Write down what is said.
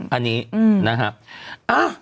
อันนี้นะครับ